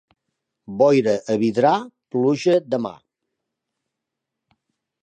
Boira a Vidrà, pluja demà.